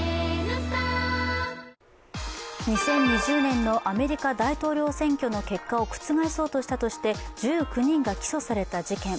２０２０年のアメリカ大統領選挙の結果を覆そうとしたとして１９人が起訴された事件。